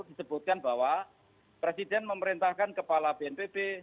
disebutkan bahwa presiden memerintahkan kepala bnpb